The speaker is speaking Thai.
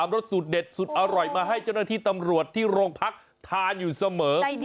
รสสูตรเด็ดสุดอร่อยมาให้เจ้าหน้าที่ตำรวจที่โรงพักทานอยู่เสมอ